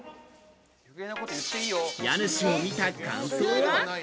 家主を見た感想は。